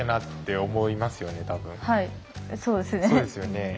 そうですね。